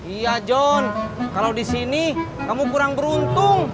iya john kalau di sini kamu kurang beruntung